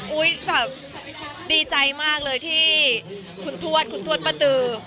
แบบดีใจมากเลยที่คุณทวดคุณทวดป้าตือ